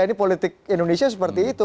ini politik indonesia seperti itu